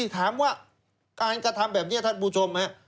ถามว่าการกระทำแบบนี้ท่านผู้ชมฮะ